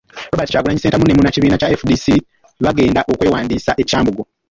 Robert Kyagulanyi Ssentamu ne Munnakibiina kya FDC bagenda okwewandiisa e Kyambogo.